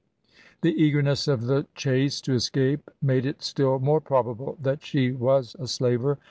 The eagerness of the chase to escape made it still more probable that she was a slaver.